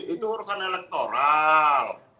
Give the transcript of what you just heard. itu urusan elektoral